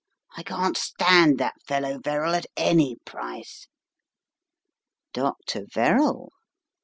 I can't stand that fellow Verrall at any price." Dr. Verrall!